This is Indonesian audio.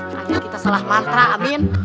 akhirnya kita salah mantra amin